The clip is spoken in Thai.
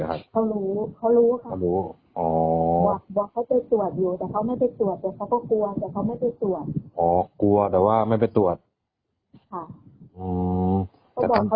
แต่เขาก็กลัวแต่เขาไม่ไปตรวจอ๋อกลัวแต่ว่าไม่ไปตรวจค่ะอืม